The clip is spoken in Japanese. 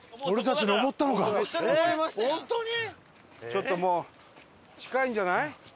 ちょっともう近いんじゃない？